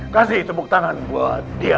kasih tepuk tangan buat dia